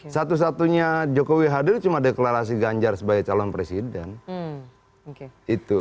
satu satunya jokowi hadir cuma deklarasi ganjar sebagai calon presiden